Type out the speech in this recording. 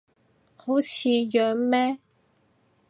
好似樣咩